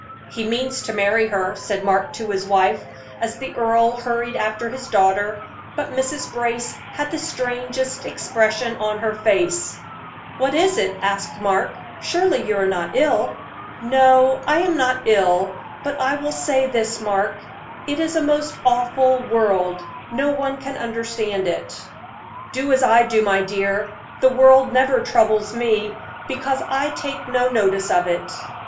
"He means to marry her," said Mark to his wife, as the earl hurried after his daughter; but Mrs. Brace had the strangest expression on her face. "What is it?" Mark asked. "Surely you are not ill?" "No, I am not ill; but I will say this, Mark, it is a most awful world no one can understand it." "Do as I do, my dear; the world never troubles me, because I take no notice of it."